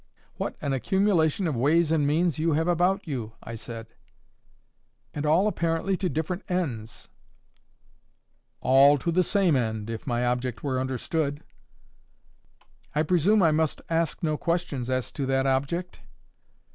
"What an accumulation of ways and means you have about you!" I said; "and all, apparently, to different ends." "All to the same end, if my object were understood." "I presume I must ask no questions as to that object?"